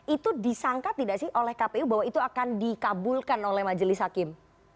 itu disangka tidak sih oleh kpu bahwa itu akan dikabulkan oleh majelis hakim